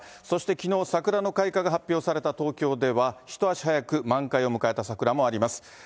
そしてきのう、桜の開花が発表された東京では、一足早く満開を迎えた桜もあります。